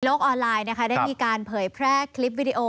ออนไลน์นะคะได้มีการเผยแพร่คลิปวิดีโอ